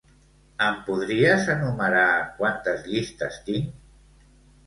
Em podries enumerar quantes llistes tinc?